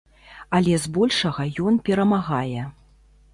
Але збольшага ён перамагае.